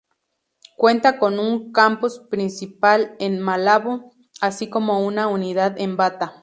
Cuenta con un campus principal en Malabo, así como una unidad en Bata.